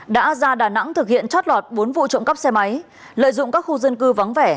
đã ra đà nẵng thực hiện trót lọt bốn vụ trộm cắp xe máy lợi dụng các khu dân cư vắng vẻ